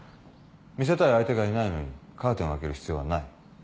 見せたい相手がいないのにカーテンを開ける必要はない。